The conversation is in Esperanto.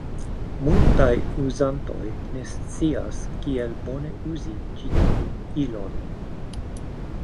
Multaj uzantoj ne scias kiel bone uzi ĉi tiun ilon.